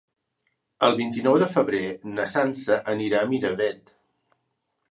El vint-i-nou de febrer na Sança anirà a Miravet.